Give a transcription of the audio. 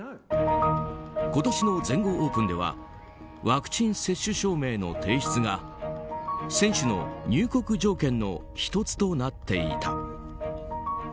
今年の全豪オープンではワクチン接種証明の提出が選手の入国条件の１つとなっていた。